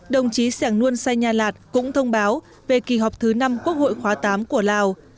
đồng chí sẻn nguồn sai nha lạt cũng thông báo về kỳ họp thứ năm quốc hội khóa tám của lào